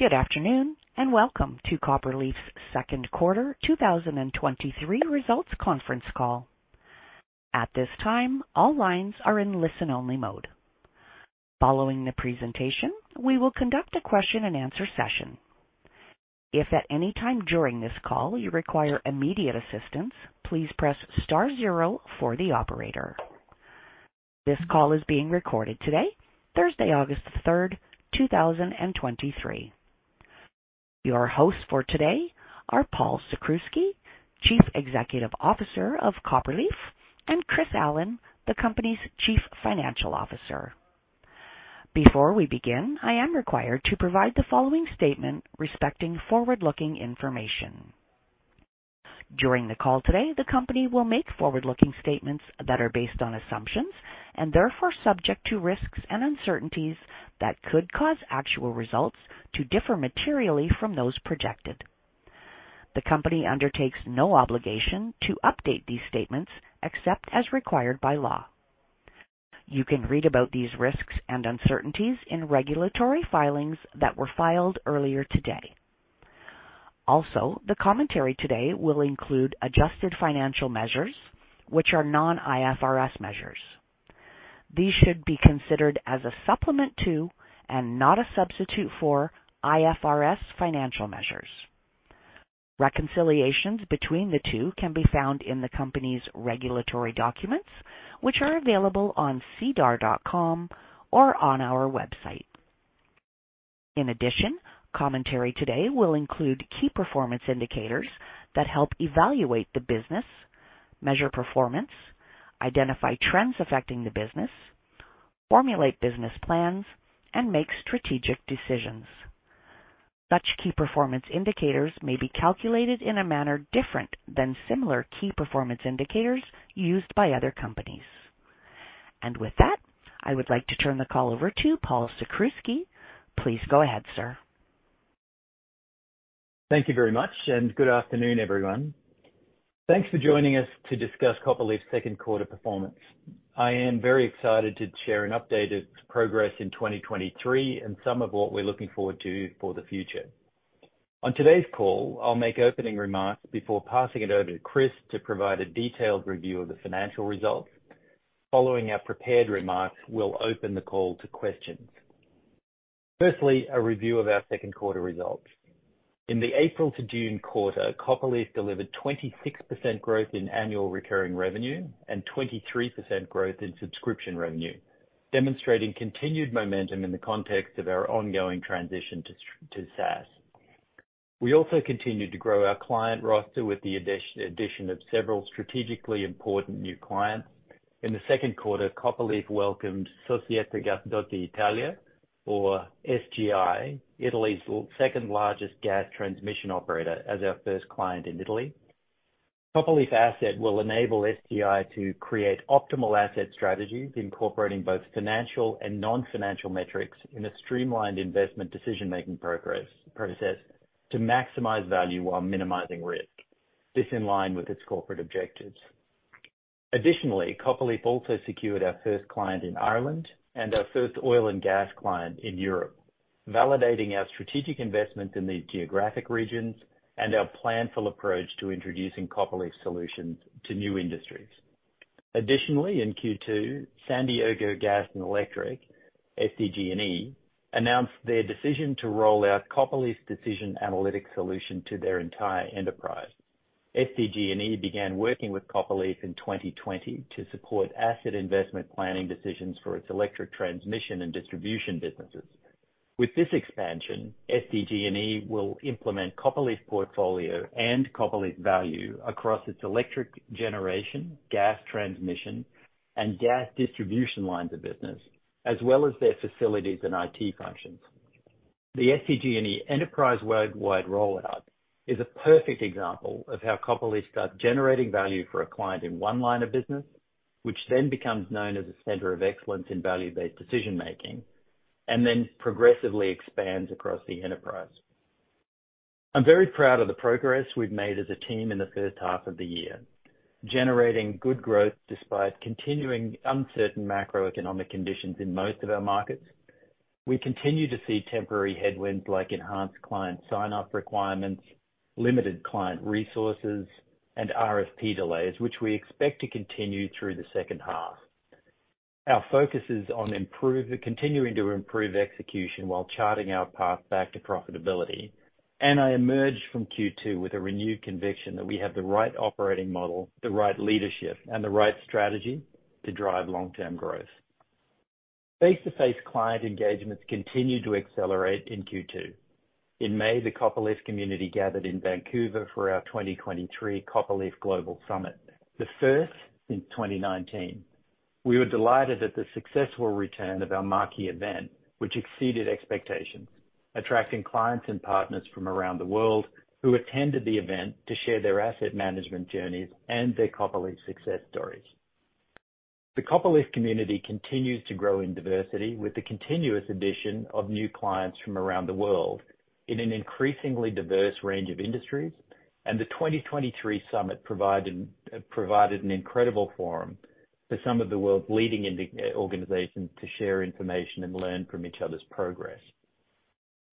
Good afternoon, welcome to Copperleaf's second quarter 2023 results conference call. At this time, all lines are in listen-only mode. Following the presentation, we will conduct a question-and-answer session. If at any time during this call you require immediate assistance, please press star zero for the operator. This call is being recorded today, Thursday, August the 3rd, 2023. Your hosts for today are Paul Sakrzewski, Chief Executive Officer of Copperleaf, and Chris Allen, the company's Chief Financial Officer. Before we begin, I am required to provide the following statement respecting forward-looking information. During the call today, the company will make forward-looking statements that are based on assumptions and therefore subject to risks and uncertainties that could cause actual results to differ materially from those projected. The company undertakes no obligation to update these statements except as required by law. You can read about these risks and uncertainties in regulatory filings that were filed earlier today. The commentary today will include adjusted financial measures, which are non-IFRS measures. These should be considered as a supplement to, and not a substitute for, IFRS financial measures. Reconciliations between the two can be found in the company's regulatory documents, which are available on sedar.com or on our website. In addition, commentary today will include key performance indicators that help evaluate the business, measure performance, identify trends affecting the business, formulate business plans, and make strategic decisions. Such key performance indicators may be calculated in a manner different than similar key performance indicators used by other companies. With that, I would like to turn the call over to Paul Sakrzewski. Please go ahead, sir. Thank you very much. Good afternoon, everyone. Thanks for joining us to discuss Copperleaf's second quarter performance. I am very excited to share an update of progress in 2023 and some of what we're looking forward to for the future. On today's call, I'll make opening remarks before passing it over to Chris to provide a detailed review of the financial results. Following our prepared remarks, we'll open the call to questions. Firstly, a review of our second quarter results. In the April to June quarter, Copperleaf delivered 26% growth in annual recurring revenue and 23% growth in subscription revenue, demonstrating continued momentum in the context of our ongoing transition to SaaS. We also continued to grow our client roster with the addition of several strategically important new clients. In the second quarter, Copperleaf welcomed Società Gasdotti Italia, or SGI, Italy's second-largest gas transmission operator, as our first client in Italy. Copperleaf Asset will enable SGI to create optimal asset strategies, incorporating both financial and non-financial metrics in a streamlined investment decision-making process to maximize value while minimizing risk. This in line with its corporate objectives. Additionally, Copperleaf also secured our first client in Ireland and our first oil and gas client in Europe, validating our strategic investment in these geographic regions and our planful approach to introducing Copperleaf solutions to new industries. Additionally, in Q2, San Diego Gas & Electric, SDG&E, announced their decision to roll out Copperleaf's decision analytics solution to their entire enterprise. SDG&E began working with Copperleaf in 2020 to support asset investment planning decisions for its electric transmission and distribution businesses. With this expansion, SDG&E will implement Copperleaf Portfolio and Copperleaf Value across its electric generation, gas transmission, and gas distribution lines of business, as well as their facilities and IT functions. The SDG&E enterprise-wide rollout is a perfect example of how Copperleaf starts generating value for a client in one line of business, which then becomes known as a center of excellence in value-based decision making and then progressively expands across the enterprise. I'm very proud of the progress we've made as a team in the first half of the year, generating good growth despite continuing uncertain macroeconomic conditions in most of our markets. We continue to see temporary headwinds like enhanced client sign-up requirements, limited client resources, and RFP delays, which we expect to continue through the second half. Our focus is on improve, continuing to improve execution while charting our path back to profitability. I emerged from Q2 with a renewed conviction that we have the right operating model, the right leadership, and the right strategy to drive long-term growth. Face-to-face client engagements continued to accelerate in Q2. In May, the Copperleaf community gathered in Vancouver for our 2023 Copperleaf Global Summit, the first since 2019. We were delighted at the successful return of our marquee event, which exceeded expectations, attracting clients and partners from around the world who attended the event to share their asset management journeys and their Copperleaf success stories. The Copperleaf community continues to grow in diversity, with the continuous addition of new clients from around the world in an increasingly diverse range of industries. The 2023 summit provided an incredible forum for some of the world's leading industry organizations to share information and learn from each other's progress.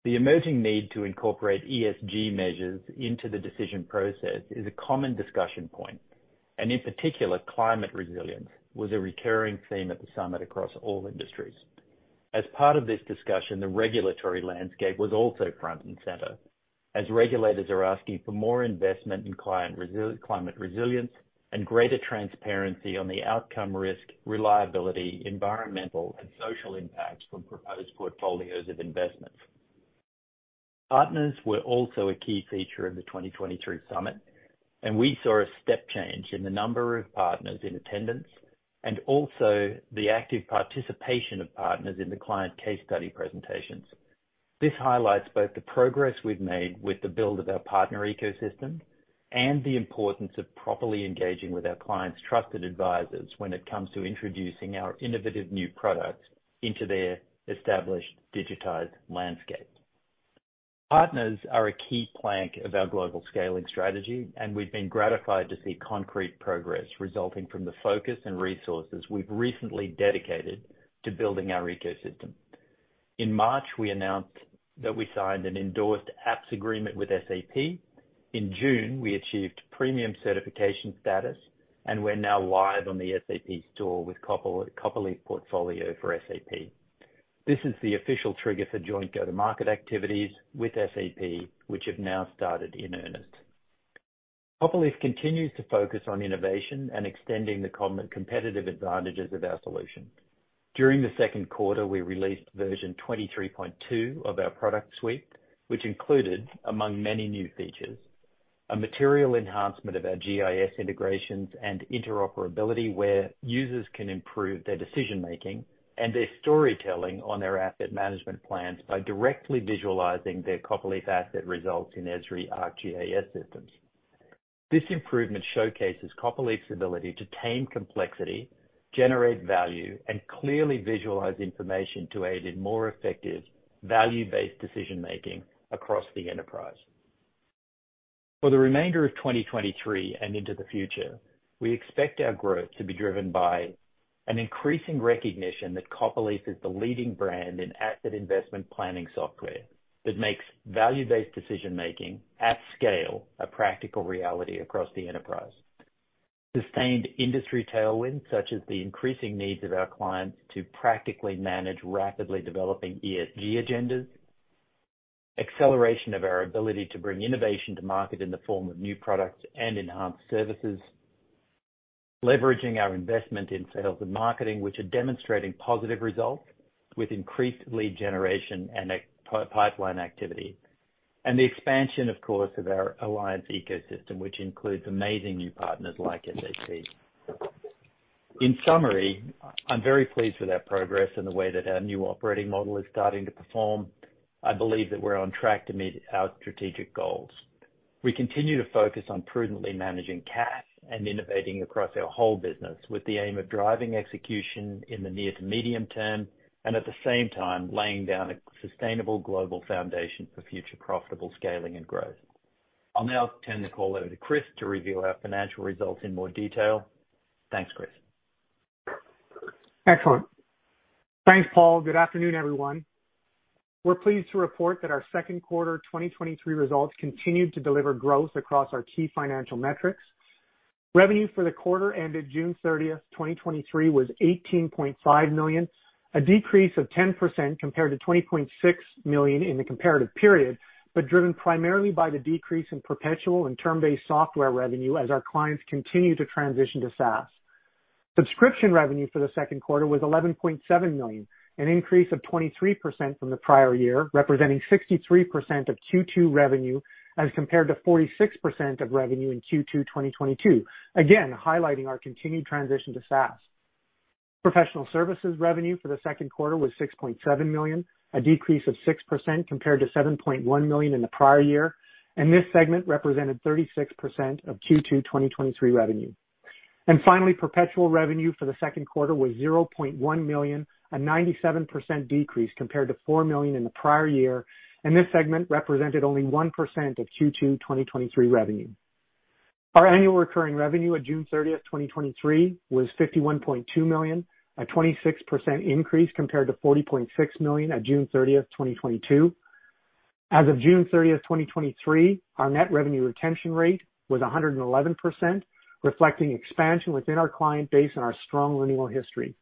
The emerging need to incorporate ESG measures into the decision process is a common discussion point, and in particular, climate resilience was a recurring theme at the summit across all industries. As part of this discussion, the regulatory landscape was also front and center, as regulators are asking for more investment in climate resilience and greater transparency on the outcome, risk, reliability, environmental, and social impacts from proposed portfolios of investments. Partners were also a key feature of the 2023 summit, and we saw a step change in the number of partners in attendance and also the active participation of partners in the client case study presentations. This highlights both the progress we've made with the build of our partner ecosystem and the importance of properly engaging with our clients' trusted advisors when it comes to introducing our innovative new products into their established digitized landscape. Partners are a key plank of our global scaling strategy. We've been gratified to see concrete progress resulting from the focus and resources we've recently dedicated to building our ecosystem. In March, we announced that we signed an Endorsed Apps agreement with SAP. In June, we achieved Premium Certification status. We're now live on the SAP Store with Copper, Copperleaf Portfolio for SAP. This is the official trigger for joint go-to-market activities with SAP, which have now started in earnest. Copperleaf continues to focus on innovation and extending the common competitive advantages of our solution. During the second quarter, we released version 23.2 of our product suite, which included, among many new features, a material enhancement of our GIS integrations and interoperability, where users can improve their decision making and their storytelling on their asset management plans by directly visualizing their Copperleaf Asset results in Esri ArcGIS systems. This improvement showcases Copperleaf's ability to tame complexity, generate value, and clearly visualize information to aid in more effective, value-based decision making across the enterprise. For the remainder of 2023 and into the future, we expect our growth to be driven by an increasing recognition that Copperleaf is the leading brand in asset investment planning software that makes value-based decision making at scale a practical reality across the enterprise. Sustained industry tailwinds, such as the increasing needs of our clients to practically manage rapidly developing ESG agendas, acceleration of our ability to bring innovation to market in the form of new products and enhanced services, leveraging our investment in sales and marketing, which are demonstrating positive results with increased lead generation and pipeline activity, and the expansion, of course, of our alliance ecosystem, which includes amazing new partners like SAP. In summary, I'm very pleased with our progress and the way that our new operating model is starting to perform. I believe that we're on track to meet our strategic goals. We continue to focus on prudently managing cash and innovating across our whole business with the aim of driving execution in the near to medium term, and at the same time, laying down a sustainable global foundation for future profitable scaling and growth. I'll now turn the call over to Chris to review our financial results in more detail. Thanks, Chris. Excellent. Thanks, Paul. Good afternoon, everyone. We're pleased to report that our second quarter 2023 results continued to deliver growth across our key financial metrics. Revenue for the quarter ended June 30th, 2023, was $18.5 million, a decrease of 10% compared to $20.6 million in the comparative period, but driven primarily by the decrease in perpetual and term-based software revenue as our clients continue to transition to SaaS. Subscription revenue for the second quarter was $11.7 million, an increase of 23% from the prior year, representing 63% of Q2 revenue, as compared to 46% of revenue in Q2, 2022, again, highlighting our continued transition to SaaS. Professional services revenue for the second quarter was $6.7 million, a decrease of 6% compared to $7.1 million in the prior year, and this segment represented 36% of Q2 2023 revenue. Finally, perpetual revenue for the second quarter was $0.1 million, a 97% decrease compared to $4 million in the prior year, and this segment represented only 1% of Q2 2023 revenue. Our annual recurring revenue at June 30th, 2023, was $51.2 million, a 26% increase compared to $40.6 million at June 30th, 2022. As of June 30th, 2023, our net revenue retention rate was 111%, reflecting expansion within our client base and our strong renewal history.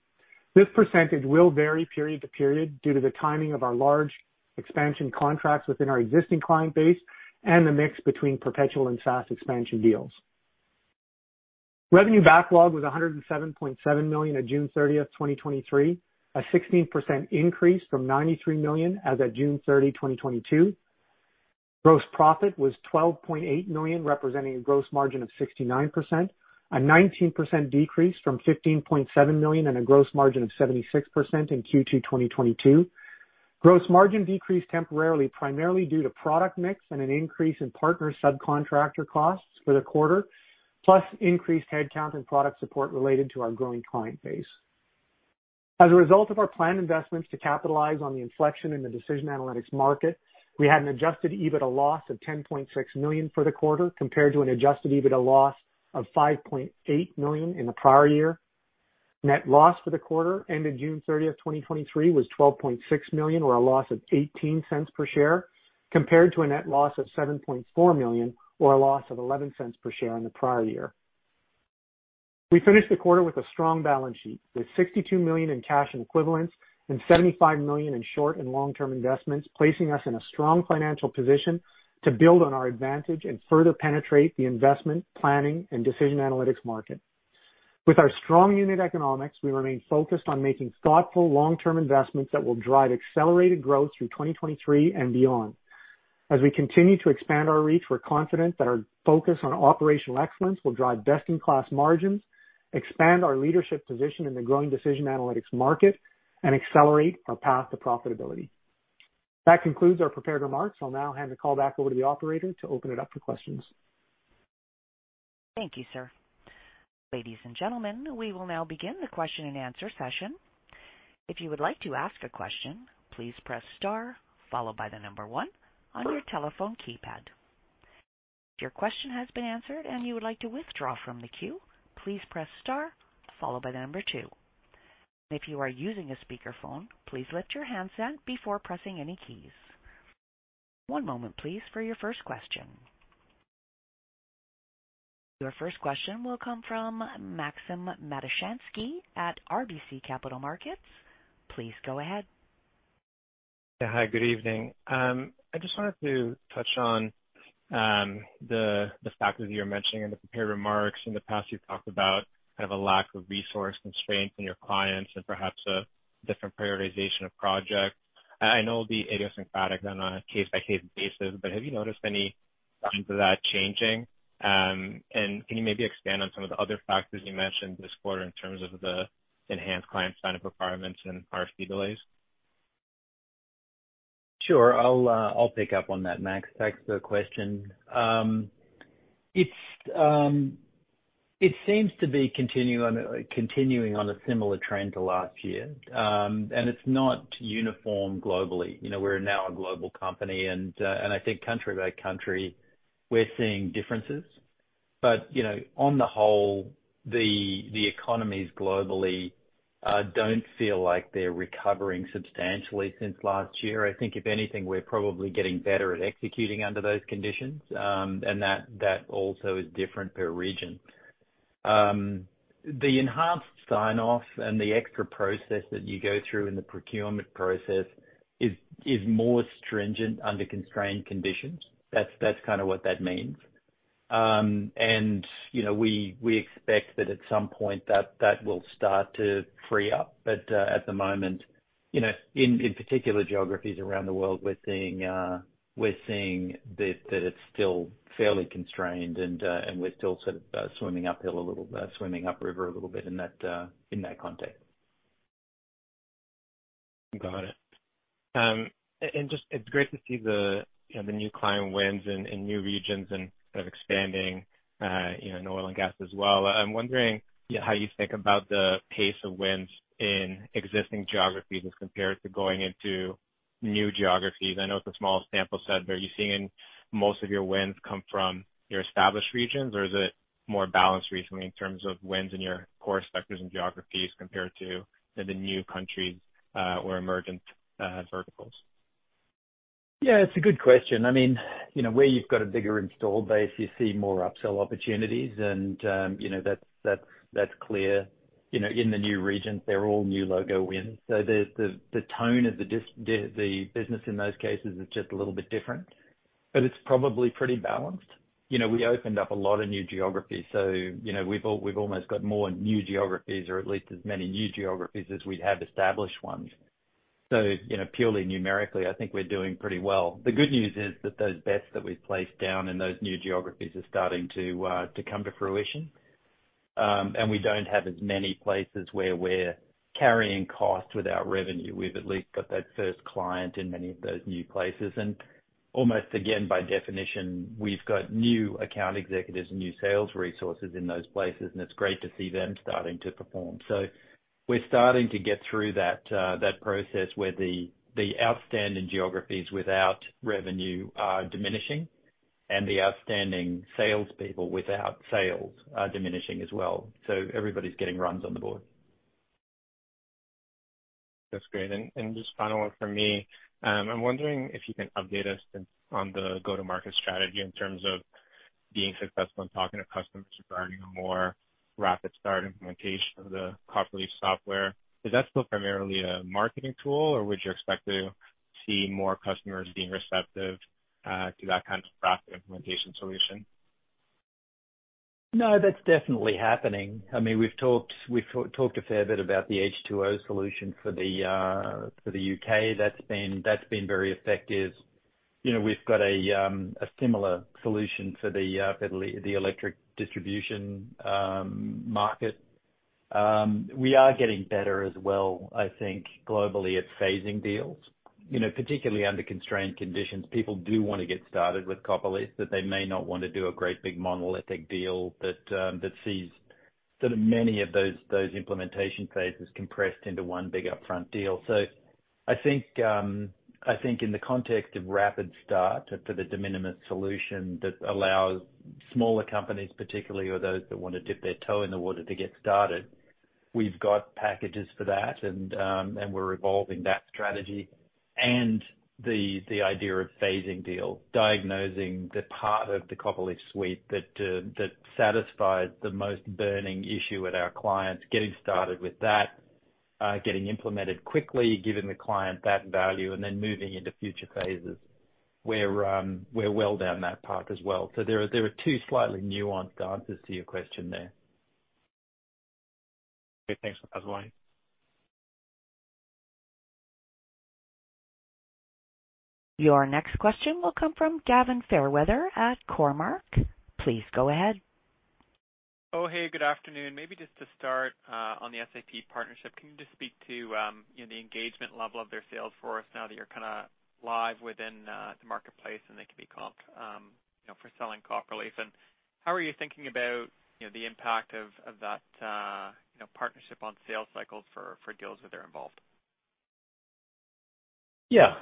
This percentage will vary period to period due to the timing of our large expansion contracts within our existing client base and the mix between perpetual and SaaS expansion deals. Revenue backlog was CAD 107.7 million on June 30, 2023, a 16% increase from CAD 93 million as at June 30, 2022. Gross profit was CAD 12.8 million, representing a gross margin of 69%, a 19% decrease from CAD 15.7 million and a gross margin of 76% in Q2 2022. Gross margin decreased temporarily, primarily due to product mix and an increase in partner subcontractor costs for the quarter, plus increased headcount and product support related to our growing client base. As a result of our planned investments to capitalize on the inflection in the decision analytics market, we had an adjusted EBITDA loss of $10.6 million for the quarter, compared to an adjusted EBITDA loss of $5.8 million in the prior year. Net loss for the quarter, ended June 30th, 2023, was $12.6 million, or a loss of $0.18 per share, compared to a net loss of $7.4 million, or a loss of $0.11 per share in the prior year. We finished the quarter with a strong balance sheet, with $62 million in cash equivalents and $75 million in short and long-term investments, placing us in a strong financial position to build on our advantage and further penetrate the investment, planning and decision analytics market. With our strong unit economics, we remain focused on making thoughtful, long-term investments that will drive accelerated growth through 2023 and beyond. As we continue to expand our reach, we're confident that our focus on operational excellence will drive best-in-class margins, expand our leadership position in the growing decision analytics market, and accelerate our path to profitability. That concludes our prepared remarks. I'll now hand the call back over to the operator to open it up for questions. Thank you, sir. Ladies and gentlemen, we will now begin the question and answer session. If you would like to ask a question, please press star followed by the number 1 on your telephone keypad. If your question has been answered and you would like to withdraw from the queue, please press star followed by the number 2. If you are using a speakerphone, please lift your handset before pressing any keys. One moment, please, for your first question. Your first question will come from Maxim Matushansky at RBC Capital Markets. Please go ahead. Yeah, hi, good evening. I just wanted to touch on the factors you were mentioning in the prepared remarks. In the past, you've talked about kind of a lack of resource constraint in your clients and perhaps a different prioritization of projects. I, I know it'll be idiosyncratic on a case-by-case basis, but have you noticed any signs of that changing? Can you maybe expand on some of the other factors you mentioned this quarter in terms of the enhanced client sign-up requirements and RFC delays? Sure. I'll pick up on that, Max. Thanks for the question. It's continuing on a similar trend to last year. It's not uniform globally. You know, we're now a global company, and I think country by country, we're seeing differences. You know, on the whole, the economies globally don't feel like they're recovering substantially since last year. I think if anything, we're probably getting better at executing under those conditions, and that also is different per region. The enhanced sign-off and the extra process that you go through in the procurement process is more stringent under constrained conditions. That's kind of what that means. You know, we expect that at some point, that will start to free up. At the moment, you know, in, in particular geographies around the world, we're seeing, we're seeing that, that it's still fairly constrained and, and we're still sort of, swimming uphill a little, swimming upriver a little bit in that, in that context. Got it. And just it's great to see the, you know, the new client wins in, in new regions and sort of expanding, you know, in oil and gas as well. I'm wondering how you think about the pace of wins in existing geographies as compared to going into new geographies. I know it's a small sample set, but are you seeing most of your wins come from your established regions, or is it more balanced recently in terms of wins in your core sectors and geographies compared to the new countries, or emergent, verticals? Yeah, it's a good question. I mean, you know, where you've got a bigger installed base, you see more upsell opportunities, and, you know, that's, that's, that's clear. You know, in the new regions, they're all new logo wins, so the, the, the tone of the the, the business in those cases is just a little bit different, but it's probably pretty balanced. You know, we opened up a lot of new geographies, so, you know, we've almost got more new geographies or at least as many new geographies as we have established ones. Purely numerically, I think we're doing pretty well. The good news is that those bets that we've placed down in those new geographies are starting to, to come to fruition. We don't have as many places where we're carrying costs without revenue. We've at least got that first client in many of those new places. Almost, again, by definition, we've got new account executives and new sales resources in those places, and it's great to see them starting to perform. We're starting to get through that, that process where the, the outstanding geographies without revenue are diminishing and the outstanding salespeople without sales are diminishing as well. Everybody's getting runs on the board. That's great. Just final one from me, I'm wondering if you can update us on the go-to-market strategy in terms of being successful in talking to customers regarding a more rapid start implementation of the Copperleaf software. Is that still primarily a marketing tool, or would you expect to see more customers being receptive to that kind of rapid implementation solution? No, that's definitely happening. I mean, we've talked, we've talked a fair bit about the H2O solution for the UK. That's been, that's been very effective. You know, we've got a similar solution for the electric distribution market. We are getting better as well, I think, globally at phasing deals. You know, particularly under constrained conditions, people do want to get started with Copperleaf, but they may not want to do a great big monolithic deal that sees sort of many of those, those implementation phases compressed into one big upfront deal. I think, I think in the context of rapid start for the de minimis solution, that allows smaller companies, particularly, or those that want to dip their toe in the water to get started, we've got packages for that, and, and we're evolving that strategy and the, the idea of phasing deal, diagnosing the part of the Copperleaf suite that, that satisfies the most burning issue with our clients, getting started with that, getting implemented quickly, giving the client that value, and then moving into future phases. We're, we're well down that path as well. There are, there are two slightly nuanced answers to your question there. Okay, thanks for that, Wayne. Your next question will come from Gavin Fairweather at Cormark. Please go ahead. Oh, hey, good afternoon. Maybe just to start on the SAP partnership, can you just speak to, you know, the engagement level of their sales force now that you're kind of live within the marketplace, and they can be comped, you know, for selling Copperleaf? How are you thinking about, you know, the impact of, of that, you know, partnership on sales cycles for, for deals where they're involved? Yeah.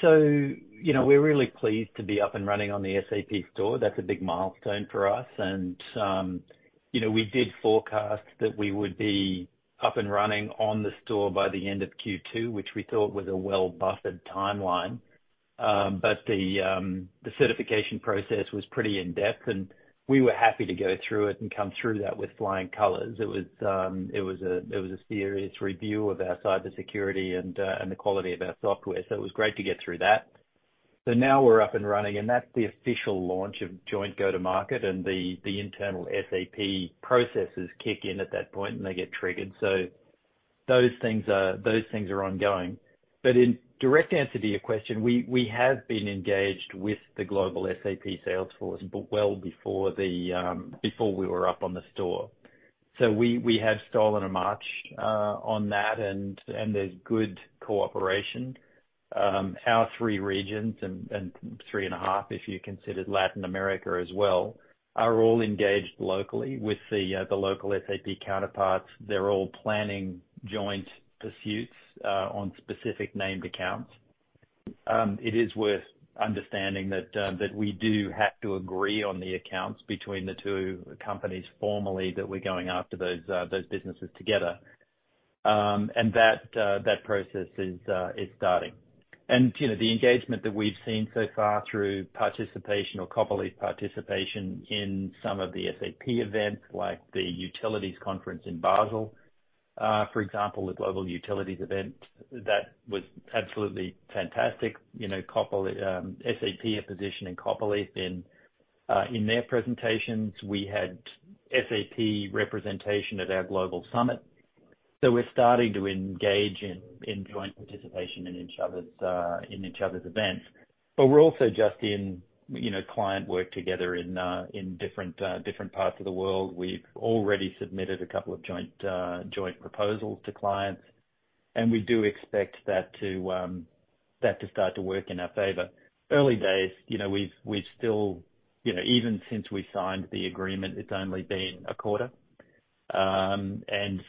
So, you know, we're really pleased to be up and running on the SAP Store. That's a big milestone for us. You know, we did forecast that we would be up and running on the Store by the end of Q2, which we thought was a well-buffered timeline. The certification process was pretty in-depth, and we were happy to go through it and come through that with flying colors. It was, it was a serious review of our cybersecurity and the quality of our software, so it was great to get through that. Now we're up and running, and that's the official launch of joint go-to-market, and the internal SAP processes kick in at that point, and they get triggered. Those things are, those things are ongoing. In direct answer to your question, we, we have been engaged with the global SAP sales force, but well before the before we were up on the SAP Store. We, we have stolen a march on that, and there's good cooperation. Our 3 regions and 3.5, if you considered Latin America as well, are all engaged locally with the local SAP counterparts. They're all planning joint pursuits on specific named accounts. It is worth understanding that that we do have to agree on the accounts between the two companies formally, that we're going after those those businesses together. That that process is starting. You know, the engagement that we've seen so far through participation or Copperleaf participation in some of the SAP events, like the utilities conference in Basel, for example, the Global Utilities event, that was absolutely fantastic. You know, Copperleaf, SAP, are positioning Copperleaf in their presentations. We had SAP representation at our Global Summit. We're starting to engage in, in joint participation in each other's, in each other's events. We're also just in, you know, client work together in different, different parts of the world. We've already submitted a couple of joint, joint proposals to clients, and we do expect that to, that to start to work in our favor. Early days, you know, we've, we've still... You know, even since we signed the agreement, it's only been a quarter. And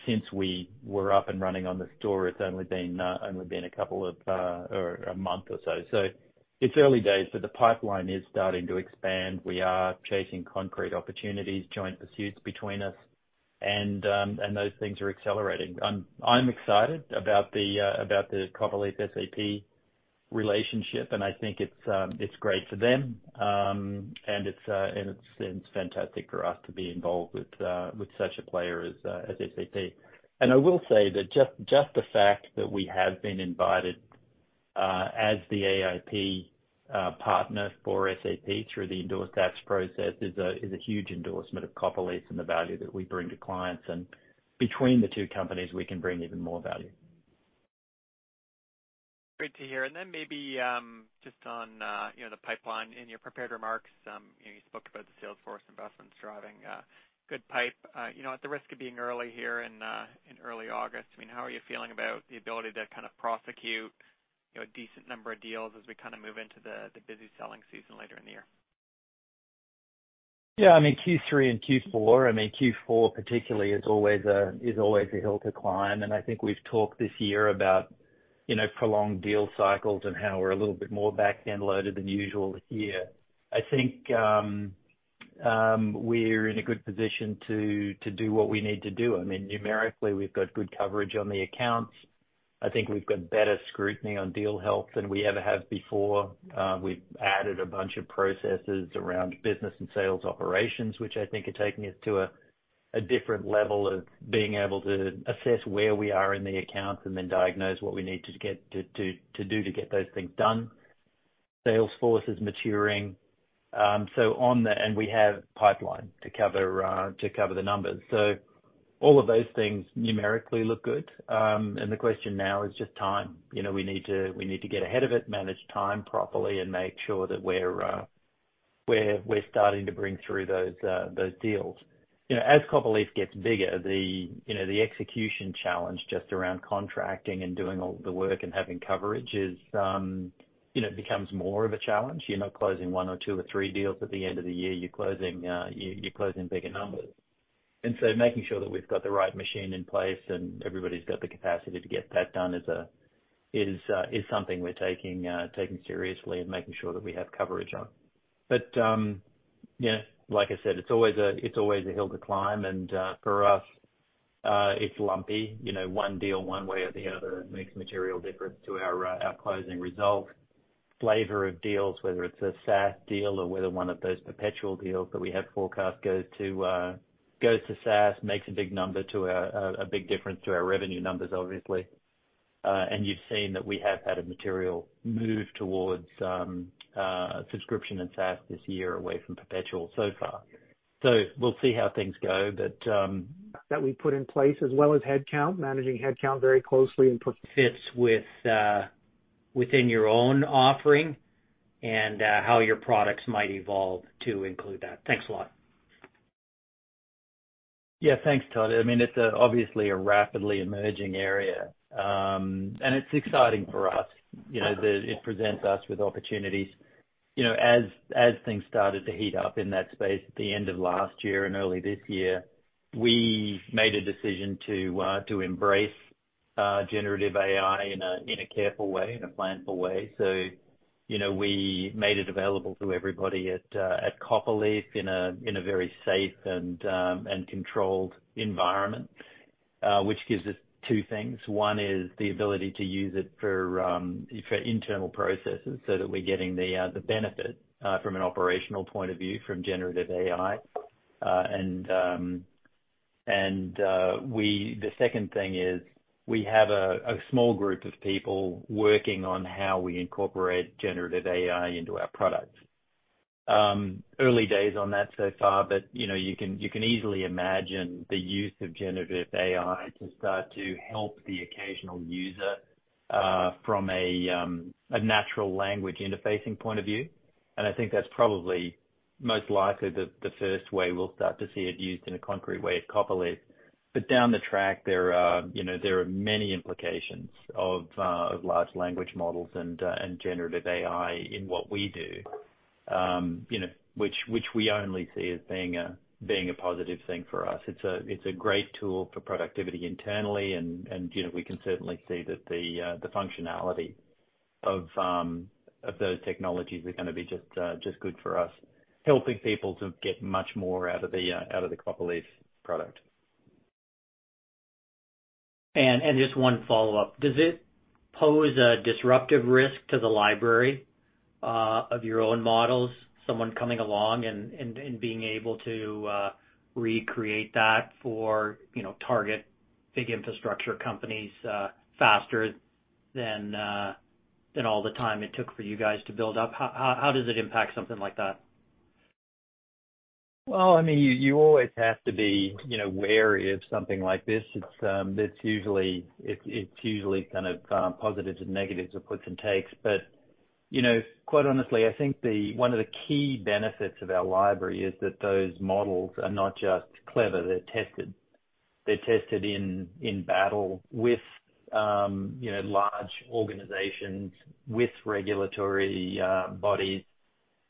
since we were up and running on the store, it's only been a couple of, or a month or so. It's early days, but the pipeline is starting to expand. We are chasing concrete opportunities, joint pursuits between us and, and those things are accelerating. I'm, I'm excited about the, about the Copperleaf SAP relationship, and I think it's, it's great for them. And it's, and it's, it's fantastic for us to be involved with, with such a player as, as SAP. I will say that just, just the fact that we have been invited as the AIP partner for SAP through the Endorsed Apps process is a, is a huge endorsement of Copperleaf and the value that we bring to clients, and between the two companies, we can bring even more value. Great to hear. Then maybe, just on, you know, the pipeline. In your prepared remarks, you know, you spoke about the sales force investments driving, good pipe. You know, at the risk of being early here in early August, I mean, how are you feeling about the ability to kind of prosecute, you know, a decent number of deals as we kind of move into the busy selling season later in the year? Yeah, I mean, Q3 and Q4, I mean, Q4 particularly is always a, is always a hill to climb. I think we've talked this year about, you know, prolonged deal cycles and how we're a little bit more back-end loaded than usual this year. I think we're in a good position to, to do what we need to do. I mean, numerically, we've got good coverage on the accounts. I think we've got better scrutiny on deal health than we ever have before. We've added a bunch of processes around business and sales operations, which I think are taking us to a, a different level of being able to assess where we are in the accounts and then diagnose what we need to get, to, to, to do to get those things done. Salesforce is maturing, on the... We have pipeline to cover to cover the numbers. All of those things numerically look good. The question now is just time. You know, we need to, we need to get ahead of it, manage time properly, and make sure that we're we're starting to bring through those those deals. You know, as Copperleaf gets bigger, the, you know, the execution challenge just around contracting and doing all the work and having coverage is, you know, becomes more of a challenge. You're not closing one or two or three deals at the end of the year, you're closing, you're, you're closing bigger numbers. So making sure that we've got the right machine in place, and everybody's got the capacity to get that done is, is, is something we're taking, taking seriously and making sure that we have coverage on. But, you know, like I said, it's always a, it's always a hill to climb, and for us, it's lumpy. You know, one deal, one way or the other, makes a material difference to our, our closing result. Flavor of deals, whether it's a SaaS deal or whether one of those perpetual deals that we have forecast goes to, goes to SaaS, makes a big number to a, a big difference to our revenue numbers, obviously. And you've seen that we have had a material move towards, subscription and SaaS this year away from perpetual so far. we'll see how things go, but. that we put in place, as well as headcount, managing headcount very closely. fits with, within your own offering and, how your products might evolve to include that? Thanks a lot. Yeah, thanks, Todd. I mean, it's obviously a rapidly emerging area. It's exciting for us. You know, it presents us with opportunities. You know, as things started to heat up in that space at the end of last year and early this year, we made a decision to embrace generative AI in a careful way, in a planful way. You know, we made it available to everybody at Copperleaf in a very safe and controlled environment, which gives us two things. One is the ability to use it for internal processes so that we're getting the benefit from an operational point of view, from generative AI. The second thing is, we have a small group of people working on how we incorporate generative AI into our products. Early days on that so far, but, you know, you can, you can easily imagine the use of generative AI to start to help the occasional user, from a natural language interfacing point of view. I think that's probably most likely the first way we'll start to see it used in a concrete way at Copperleaf. Down the track, there are, you know, there are many implications of large language models and generative AI in what we do, you know, which, which we only see as being a positive thing for us. It's a, it's a great tool for productivity internally, and, and, you know, we can certainly see that the functionality of those technologies are gonna be just good for us, helping people to get much more out of the Copperleaf product. Just one follow-up. Does it pose a disruptive risk to the library of your own models, someone coming along and, and, and being able to recreate that for, you know, target big infrastructure companies faster than all the time it took for you guys to build up? How, how, how does it impact something like that? Well, I mean, you, you always have to be, you know, wary of something like this. It's, it's usually, it's, it's usually kind of, positives and negatives or gives and takes. You know, quite honestly, I think the one of the key benefits of our library is that those models are not just clever, they're tested. They're tested in, in battle with, you know, large organizations, with regulatory, bodies.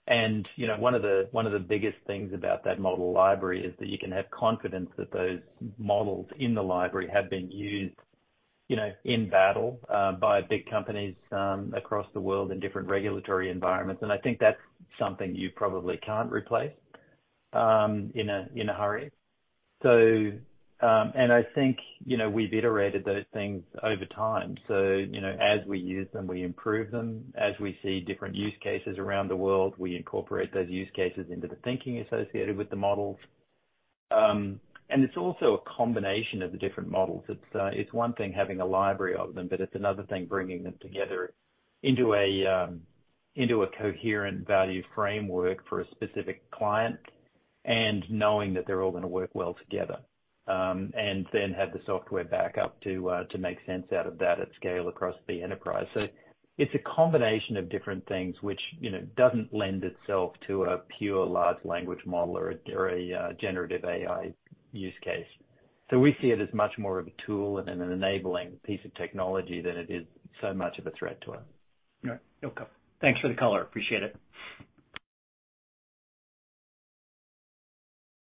You know, one of the, one of the biggest things about that model library is that you can have confidence that those models in the library have been used, you know, in battle, by big companies, across the world in different regulatory environments. I think that's something you probably can't replace, in a, in a hurry. I think, you know, we've iterated those things over time. You know, as we use them, we improve them. As we see different use cases around the world, we incorporate those use cases into the thinking associated with the models. It's also a combination of the different models. It's one thing having a library of them, but it's another thing bringing them together into a coherent value framework for a specific client and knowing that they're all gonna work well together. Then have the software back up to make sense out of that at scale across the enterprise. It's a combination of different things which, you know, doesn't lend itself to a pure large language model or a, or a generative AI use case. We see it as much more of a tool and an enabling piece of technology than it is so much of a threat to us. All right. Okay. Thanks for the color. Appreciate it.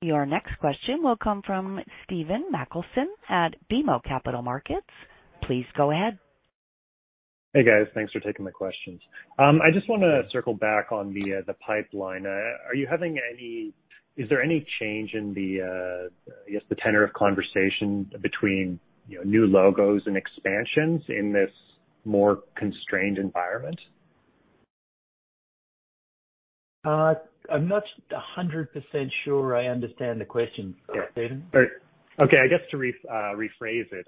Your next question will come from Stephen MacLeod at BMO Capital Markets. Please go ahead. Hey, guys. Thanks for taking my questions. I just wanna circle back on the pipeline. Are you having any-- Is there any change in the tenor of conversation between, you know, new logos and expansions in this more constrained environment? I'm not 100% sure I understand the question, Stephen. Okay. I guess to re- rephrase it,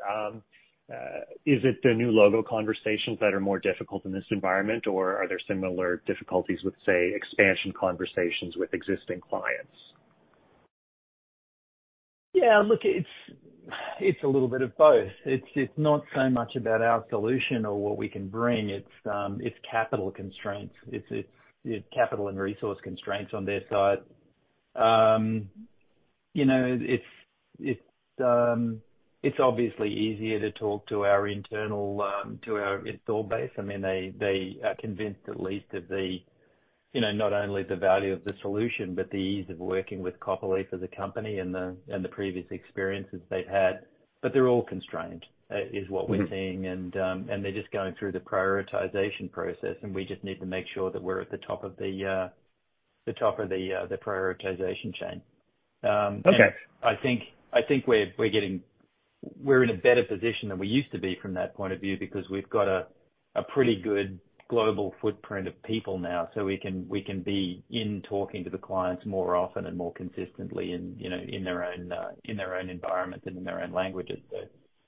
is it the new logo conversations that are more difficult in this environment, or are there similar difficulties with, say, expansion conversations with existing clients?... Yeah, look, it's, it's a little bit of both. It's, it's not so much about our solution or what we can bring, it's capital constraints. It's, it's, it's capital and resource constraints on their side. You know, it's, it's obviously easier to talk to our internal to our install base. I mean, they, they are convinced at least of the, you know, not only the value of the solution, but the ease of working with Copperleaf as a company and the, and the previous experiences they've had. They're all constrained is what we're seeing. They're just going through the prioritization process, and we just need to make sure that we're at the top of the top of the prioritization chain. Okay. I think, we're in a better position than we used to be from that point of view, because we've got a pretty good global footprint of people now, so we can be in talking to the clients more often and more consistently and, you know, in their own environment and in their own languages.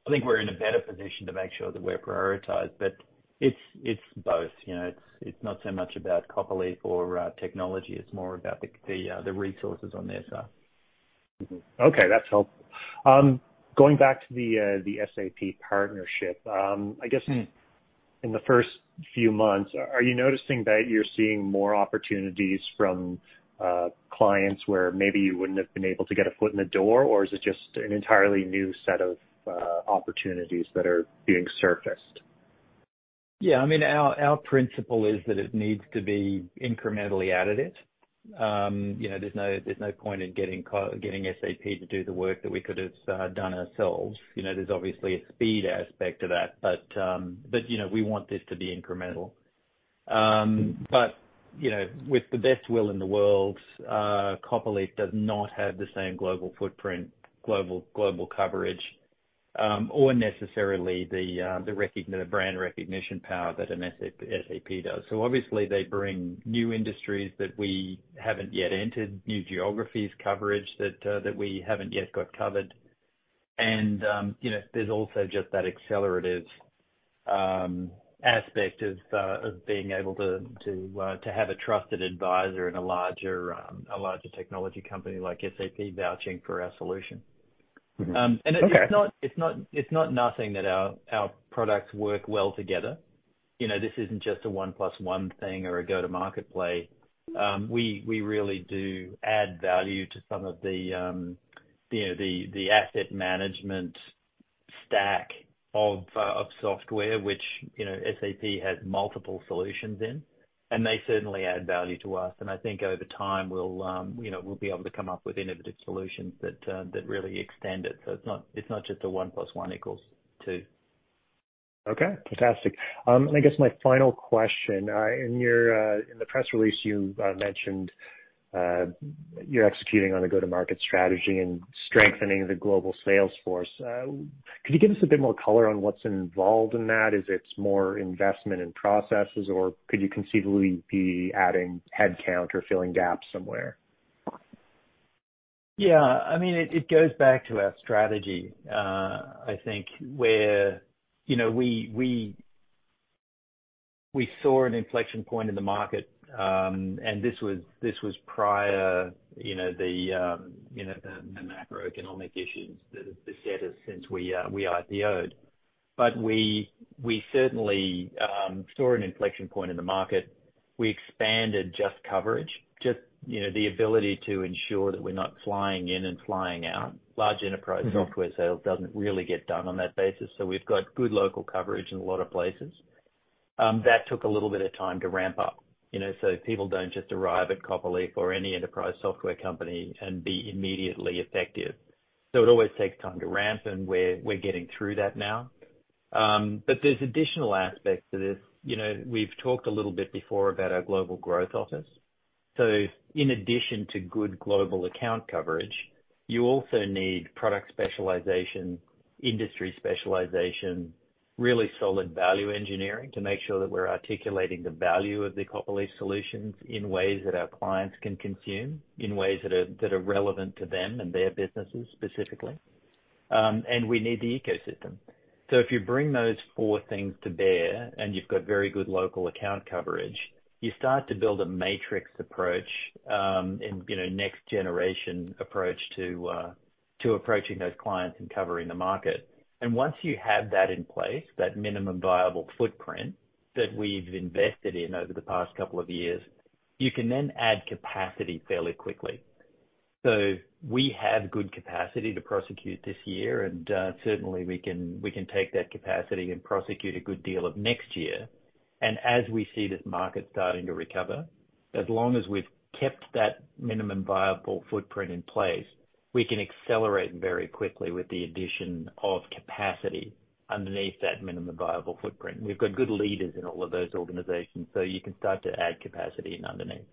I think we're in a better position to make sure that we're prioritized, but it's, it's both, you know, it's not so much about Copperleaf or technology, it's more about the resources on their side. Mm-hmm. Okay, that's helpful. going back to the, the SAP partnership, I guess- Mm. in the first few months, are you noticing that you're seeing more opportunities from, clients where maybe you wouldn't have been able to get a foot in the door? Is it just an entirely new set of, opportunities that are being surfaced? Yeah, I mean, our, our principle is that it needs to be incrementally additive. You know, there's no, there's no point in getting SAP to do the work that we could have done ourselves. You know, there's obviously a speed aspect to that, but, you know, we want this to be incremental. You know, with the best will in the world, Copperleaf does not have the same global footprint, global, global coverage, or necessarily the brand recognition power that an SAP does. Obviously, they bring new industries that we haven't yet entered, new geographies coverage that we haven't yet got covered. You know, there's also just that accelerative aspect of being able to, to have a trusted advisor and a larger, a larger technology company like SAP vouching for our solution. Mm-hmm. Okay. It's not, it's not, it's not nothing that our, our products work well together. You know, this isn't just a one plus one thing or a go-to-market play. We, we really do add value to some of the, you know, the, the asset management stack of software, which, you know, SAP has multiple solutions in, and they certainly add value to us. I think over time, we'll, you know, we'll be able to come up with innovative solutions that really extend it. So it's not, it's not just a one plus one equals two. Okay, fantastic. I guess my final question, in your, in the press release, you mentioned, you're executing on a go-to-market strategy and strengthening the global sales force. Could you give us a bit more color on what's involved in that? Is it more investment in processes, or could you conceivably be adding headcount or filling gaps somewhere? Yeah, I mean, it, it goes back to our strategy, I think, where, you know, we, we, we saw an inflection point in the market. This was, this was prior, you know, the, you know, the, the macroeconomic issues that has beset us since we, we IPO'd. We, we certainly, saw an inflection point in the market. We expanded just coverage, just, you know, the ability to ensure that we're not flying in and flying out. Large enterprise- Mm-hmm... software sales doesn't really get done on that basis, so we've got good local coverage in a lot of places. That took a little bit of time to ramp up, you know, so people don't just arrive at Copperleaf or any enterprise software company and be immediately effective. It always takes time to ramp, and we're, we're getting through that now. But there's additional aspects to this. You know, we've talked a little bit before about our Global Growth Office. In addition to good global account coverage, you also need product specialization, industry specialization, really solid Value Engineering to make sure that we're articulating the value of the Copperleaf solutions in ways that our clients can consume, in ways that are, that are relevant to them and their businesses, specifically. And we need the ecosystem. If you bring those four things to bear, and you've got very good local account coverage, you start to build a matrix approach, and, you know, next generation approach to approaching those clients and covering the market. Once you have that in place, that minimum viable footprint that we've invested in over the past couple of years, you can then add capacity fairly quickly. We have good capacity to prosecute this year, and certainly we can, we can take that capacity and prosecute a good deal of next year. As we see this market starting to recover, as long as we've kept that minimum viable footprint in place, we can accelerate very quickly with the addition of capacity underneath that minimum viable footprint. We've got good leaders in all of those organizations, so you can start to add capacity in underneath.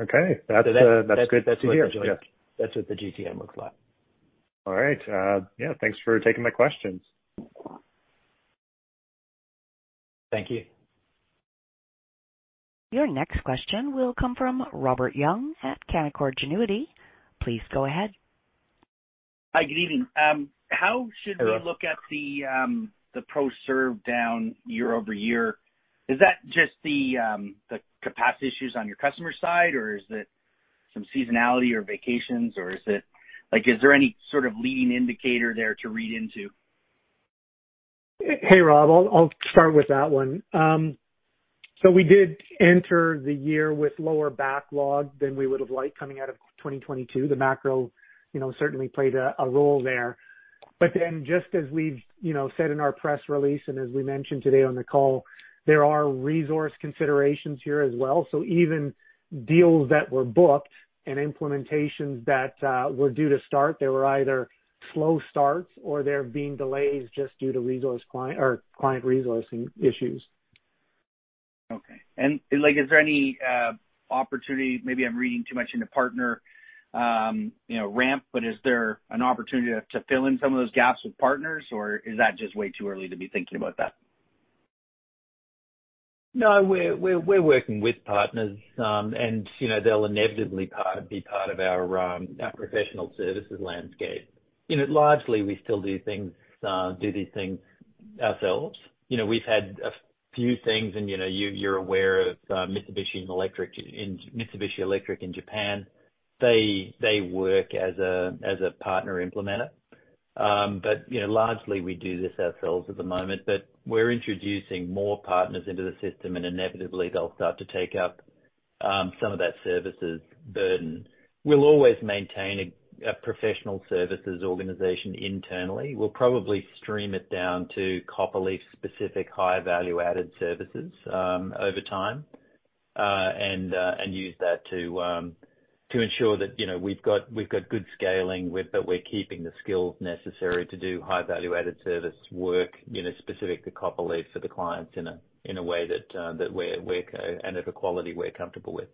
Okay. That's, that's good to hear. That's what the GTM looks like. All right. Yeah, thanks for taking my questions. Thank you. Your next question will come from Robert Young at Canaccord Genuity. Please go ahead. Hi, good evening. How should Hello look at the, the pro serve down year-over-year? Is that just the, the capacity issues on your customer side, or is it some seasonality or vacations, or is it, like, is there any sort of leading indicator there to read into? Hey, Rob, I'll, I'll start with that one. We did enter the year with lower backlog than we would have liked coming out of 2022. The macro, you know, certainly played a, a role there. Just as we've, you know, said in our press release and as we mentioned today on the call, there are resource considerations here as well. Even deals that were booked and implementations that were due to start, they were either slow starts or they're being delayed just due to resource client or client resourcing issues. Okay. Like, is there any opportunity, maybe I'm reading too much into partner, you know, ramp, but is there an opportunity to, to fill in some of those gaps with partners, or is that just way too early to be thinking about that? No, we're, we're, we're working with partners, and, you know, they'll inevitably be part of our, our professional services landscape. You know, largely, we still do things, do these things ourselves. You know, we've had a few things and, you know, you, you're aware of Mitsubishi Electric in Japan. They, they work as a, as a partner implementer. You know, largely we do this ourselves at the moment, but we're introducing more partners into the system, and inevitably they'll start to take up some of that services burden. We'll always maintain a professional services organization internally. We'll probably stream it down to Copperleaf's specific high value-added services, over time, and use that to ensure that, you know, we've got, we've got good scaling, but we're keeping the skills necessary to do high value-added service work, you know, specific to Copperleaf for the clients in a, in a way that we're, we're, and at a quality we're comfortable with.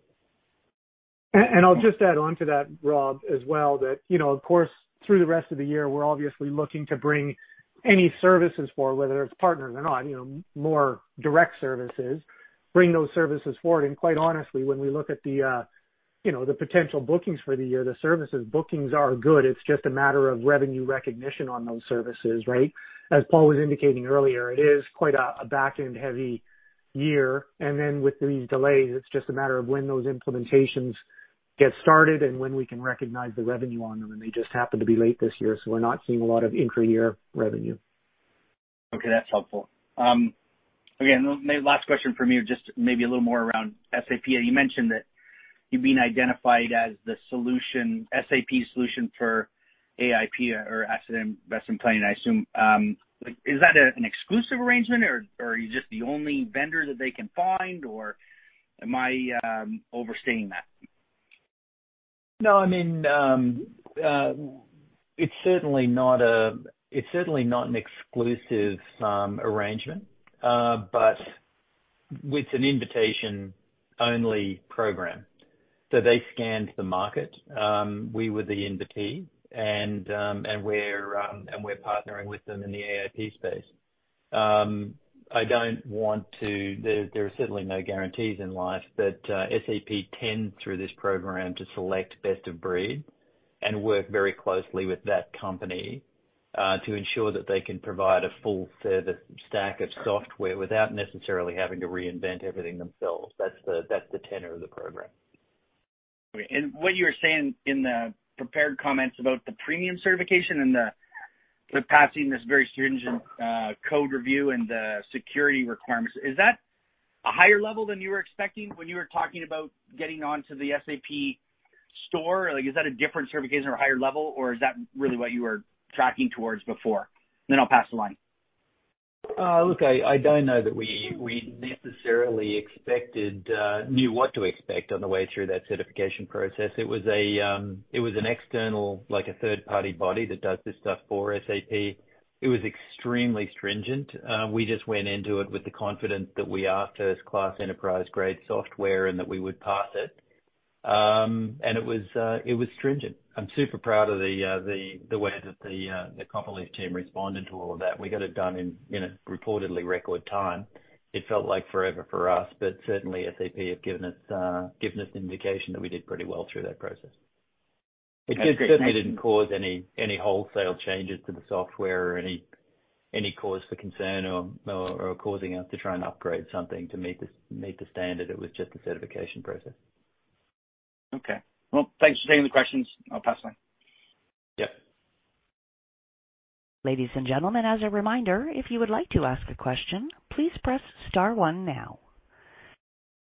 I'll just add on to that, Rob, as well, that, you know, of course, through the rest of the year, we're obviously looking to bring any services forward, whether it's partners or not, you know, more direct services, bring those services forward. Quite honestly, when we look at the, you know, the potential bookings for the year, the services bookings are good. It's just a matter of revenue recognition on those services, right? As Paul was indicating earlier, it is quite a back-end heavy year. Then with these delays, it's just a matter of when those implementations get started and when we can recognize the revenue on them, and they just happen to be late this year, so we're not seeing a lot of intra-year revenue. Okay, that's helpful. Again, maybe last question from me, just maybe a little more around SAP. You mentioned that you've been identified as the solution, SAP solution for AIP or asset investment planning, I assume. Like, is that an exclusive arrangement, or are you just the only vendor that they can find, or am I overstating that? No, I mean, it's certainly not an exclusive arrangement, but it's an invitation-only program. They scanned the market, we were the invitee, and we're partnering with them in the AIP space. I don't want to... There, there are certainly no guarantees in life, but SAP tends, through this program, to select best of breed and work very closely with that company to ensure that they can provide a full service stack of software without necessarily having to reinvent everything themselves. That's the, that's the tenor of the program. What you were saying in the prepared comments about the Premium Certification and the, the passing this very stringent, code review and the security requirements, is that a higher level than you were expecting when you were talking about getting onto the SAP Store? Like, is that a different certification or a higher level, or is that really what you were tracking towards before? I'll pass the line. Look, I, I don't know that we, we necessarily expected, knew what to expect on the way through that certification process. It was a, it was an external, like a third-party body that does this stuff for SAP. It was extremely stringent. We just went into it with the confidence that we are first-class, enterprise-grade software and that we would pass it. And it was, it was stringent. I'm super proud of the, the, the way that the, the Copperleaf team responded to all of that. We got it done in, in a reportedly record time. It felt like forever for us, but certainly SAP have given us, given us indication that we did pretty well through that process. It certainly didn't cause any, any wholesale changes to the software or any, any cause for concern or, or, or causing us to try and upgrade something to meet the, meet the standard. It was just the certification process. Okay. Well, thanks for taking the questions. I'll pass on. Yep. Ladies and gentlemen, as a reminder, if you would like to ask a question, please press star one now.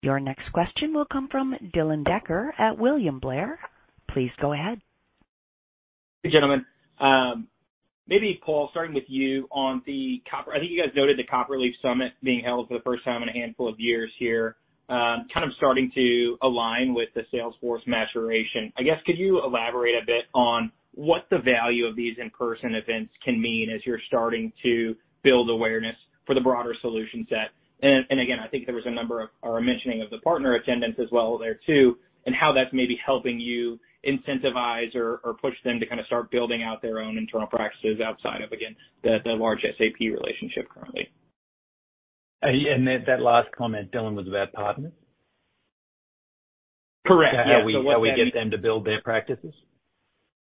Your next question will come from Dylan Decker at William Blair. Please go ahead. Hey, gentlemen. Maybe, Paul, starting with you on the Copper... I think you guys noted the Copperleaf Summit being held for the first time in a handful of years here, kind of starting to align with the Salesforce maturation. I guess, could you elaborate a bit on what the value of these in-person events can mean as you're starting to build awareness for the broader solution set? Again, I think there was a number of, or a mentioning of the partner attendance as well there, too, and how that's maybe helping you incentivize or, or push them to kind of start building out their own internal practices outside of, again, the, the large SAP relationship currently. That, that last comment, Dylan, was about partners? Correct. Yeah. We get them to build their practices?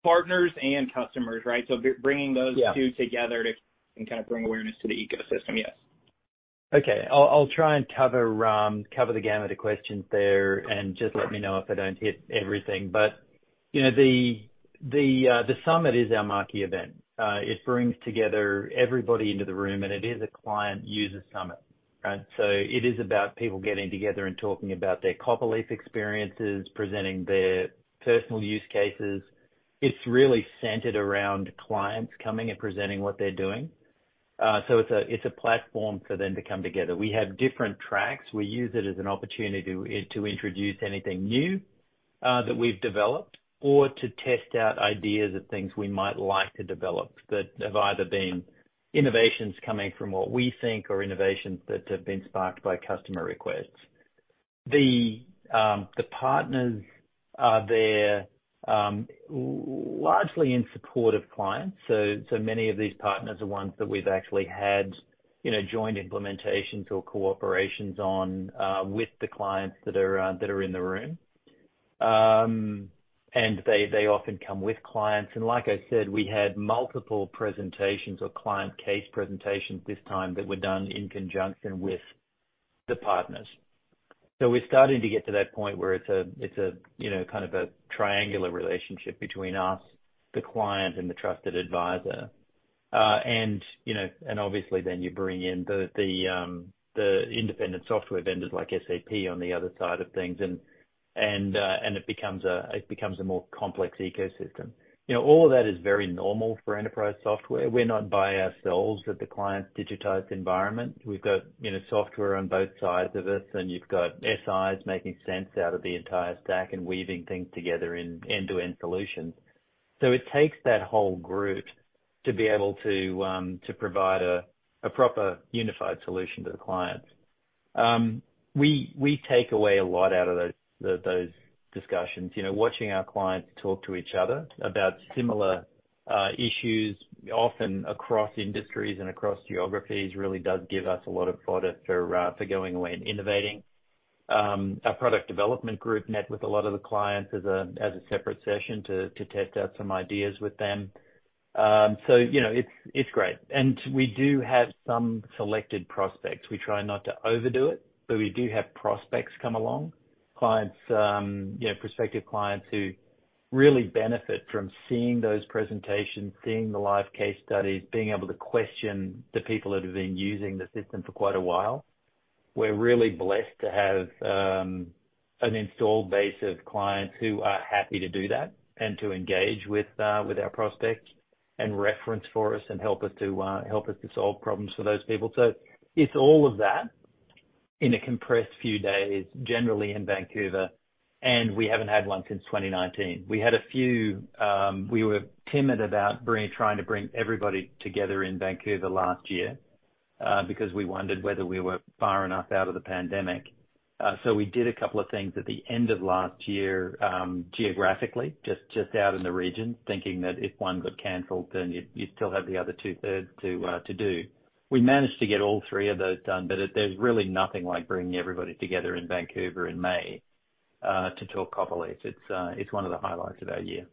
Partners and customers, right? bringing those- Yeah two together to, and kind of bring awareness to the ecosystem. Yes. Okay. I'll, I'll try and cover, cover the gamut of questions there, and just let me know if I don't hit everything. You know, the, the, the Summit is our marquee event. It brings together everybody into the room, and it is a client user Summit, right? It is about people getting together and talking about their Copperleaf experiences, presenting their personal use cases. It's really centered around clients coming and presenting what they're doing. It's a, it's a platform for them to come together. We have different tracks. We use it as an opportunity to introduce anything new that we've developed, or to test out ideas of things we might like to develop that have either been innovations coming from what we think, or innovations that have been sparked by customer requests. The partners are there, largely in support of clients. So many of these partners are ones that we've actually had, you know, joint implementations or cooperations on with the clients that are in the room. They often come with clients, and like I said, we had multiple presentations or client case presentations this time that were done in conjunction with the partners. We're starting to get to that point where it's a, it's a, you know, kind of a triangular relationship between us, the client, and the trusted advisor. You know, and obviously then you bring in the, the independent software vendors like SAP on the other side of things, and, and it becomes a, it becomes a more complex ecosystem. You know, all of that is very normal for enterprise software. We're not by ourselves at the client's digitized environment. We've got, you know, software on both sides of us, and you've got SIs making sense out of the entire stack and weaving things together in end-to-end solutions. It takes that whole group to be able to provide a proper unified solution to the clients. We, we take away a lot out of those, those discussions. You know, watching our clients talk to each other about similar issues, often across industries and across geographies, really does give us a lot of product for going away and innovating. Our product development group met with a lot of the clients as a, as a separate session to, to test out some ideas with them. You know, it's great. We do have some selected prospects. We try not to overdo it, but we do have prospects come along. Clients, you know, prospective clients who really benefit from seeing those presentations, seeing the live case studies, being able to question the people that have been using the system for quite a while. We're really blessed to have an installed base of clients who are happy to do that and to engage with our prospects and reference for us and help us to help us to solve problems for those people. So it's all of that in a compressed few days, generally in Vancouver, and we haven't had one since 2019. We had a few, We were timid about trying to bring everybody together in Vancouver last year, because we wondered whether we were far enough out of the pandemic. We did a couple of things at the end of last year, geographically, just, just out in the region, thinking that if one got canceled, then you'd, you'd still have the other two-thirds to do. We managed to get all three of those done, there's really nothing like bringing everybody together in Vancouver in May, to talk Copperleaf. It's one of the highlights of our year.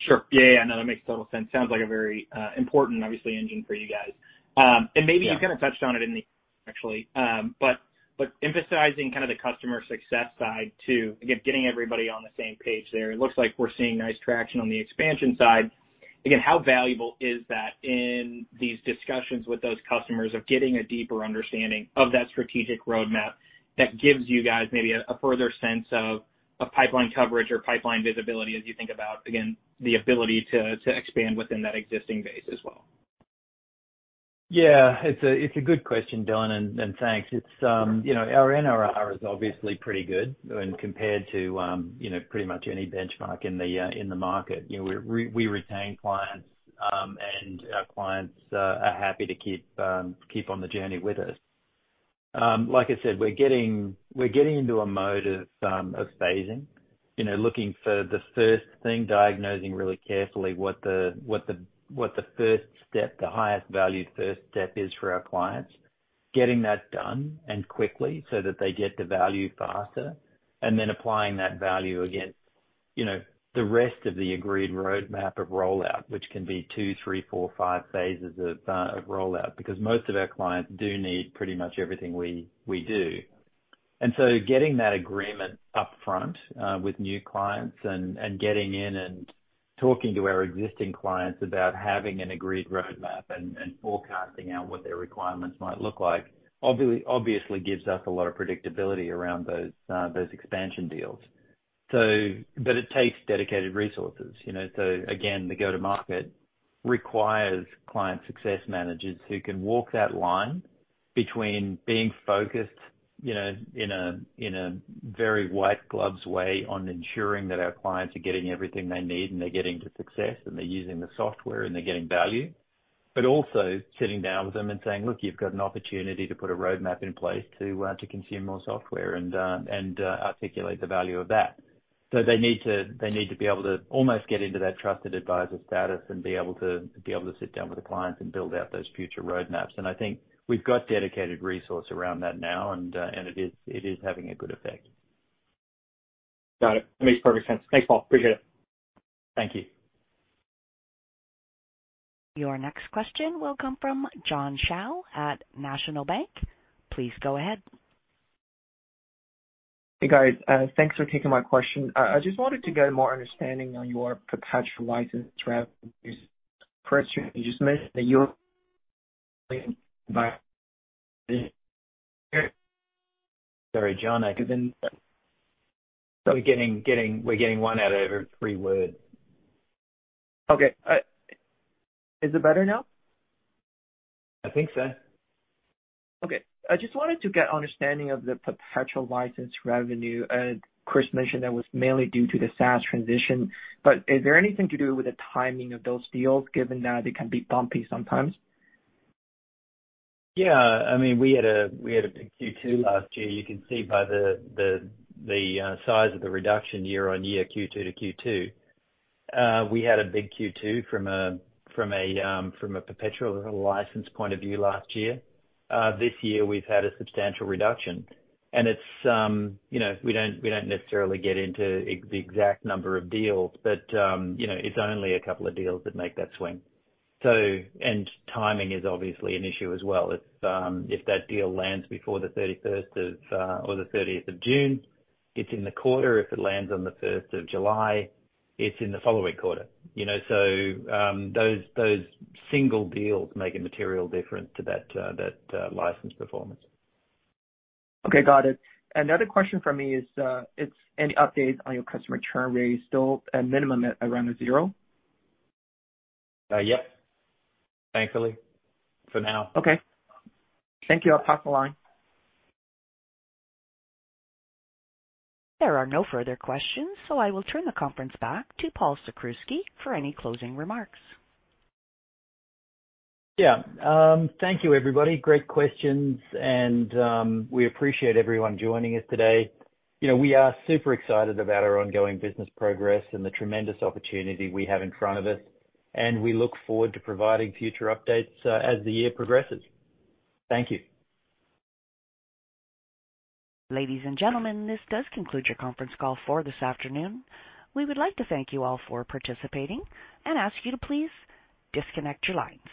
Sure. Yeah, I know. That makes total sense. Sounds like a very important, obviously, engine for you guys. Yeah... you kind of touched on it in the actually, but emphasizing kind of the customer success side, too, again, getting everybody on the same page there. It looks like we're seeing nice traction on the expansion side. Again, how valuable is that in these discussions with those customers of getting a deeper understanding of that strategic roadmap that gives you guys maybe a further sense of pipeline coverage or pipeline visibility, as you think about, again, the ability to expand within that existing base as well? Yeah, it's a, it's a good question, Don. Thanks. It's, you know, our NRR is obviously pretty good when compared to, you know, pretty much any benchmark in the market. You know, we, we, we retain clients, and our clients are happy to keep on the journey with us. Like I said, we're getting, we're getting into a mode of phasing. You know, looking for the first thing, diagnosing really carefully what the, what the, what the first step, the highest valued first step is for our clients. Getting that done, and quickly, so that they get the value faster, and then applying that value against, you know, the rest of the agreed roadmap of rollout, which can be 2, 3, 4, 5 phases of rollout, because most of our clients do need pretty much everything we, we do. Getting that agreement upfront with new clients and, and getting in and talking to our existing clients about having an agreed roadmap and, and forecasting out what their requirements might look like, obviously gives us a lot of predictability around those expansion deals. But it takes dedicated resources, you know? Again, the go-to-market requires client success managers who can walk that line between being focused, you know, in a, in a very white gloves way on ensuring that our clients are getting everything they need, and they're getting to success, and they're using the software, and they're getting value. Also sitting down with them and saying, 'Look, you've got an opportunity to put a roadmap in place to consume more software and articulate the value of that.' They need to, they need to be able to almost get into that trusted advisor status and be able to, be able to sit down with the clients and build out those future roadmaps. I think we've got dedicated resource around that now, and it is, it is having a good effect. Got it. That makes perfect sense. Thanks, Paul. Appreciate it. Thank you. Your next question will come from John Shao at National Bank. Please go ahead. Hey, guys. thanks for taking my question. I, I just wanted to get more understanding on your perpetual license throughout this pressure. You just mentioned that you're-. Sorry, John, I couldn't... We're getting, getting, we're getting one out of every three words. Okay. Is it better now? I think so. Okay. I just wanted to get understanding of the perpetual license revenue. Chris mentioned that was mainly due to the SaaS transition. Is there anything to do with the timing of those deals, given that they can be bumpy sometimes? Yeah. I mean, we had a big Q2 last year. You can see by the size of the reduction year-over-year, Q2 to Q2. We had a big Q2 from a perpetual license point of view last year. This year, we've had a substantial reduction, and it's, you know, we don't, we don't necessarily get into the exact number of deals, but, you know, it's only a couple of deals that make that swing. Timing is obviously an issue as well. If that deal lands before the 31st of or the 30th of June, it's in the quarter. If it lands on the first of July, it's in the following quarter, you know? Those, those single deals make a material difference to that, that, license performance. Okay, got it. Another question from me is, it's any updates on your customer churn rate, still a minimum at around a 0? Yep. Thankfully, for now. Okay. Thank you. I'll pass the line. There are no further questions, so I will turn the conference back to Paul Sakrzewski for any closing remarks. Yeah. Thank you, everybody. Great questions. We appreciate everyone joining us today. You know, we are super excited about our ongoing business progress and the tremendous opportunity we have in front of us. We look forward to providing future updates, as the year progresses. Thank you. Ladies and gentlemen, this does conclude your conference call for this afternoon. We would like to thank you all for participating and ask you to please disconnect your lines.